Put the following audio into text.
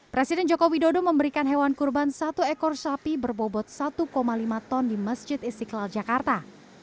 presiden joko widodo memberikan hewan kurban satu ekor sapi berbobot satu lima ton di masjid istiqlal jakarta